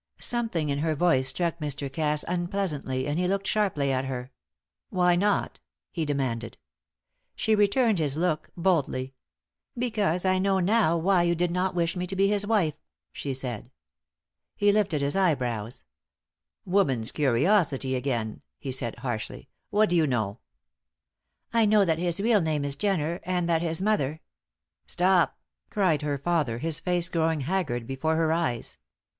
Something in her voice struck Mr. Cass unpleasantly and he looked sharply at her. "Why not?" he demanded. She returned his look boldly. "Because I know now why you did not wish me to be his wife," she said. He lifted his eyebrows. "Woman's curiosity again," he said, harshly. "What do you know?" "I know that his real name is Jenner, and that his mother " "Stop!" cried her father, his face growing haggard before her eyes.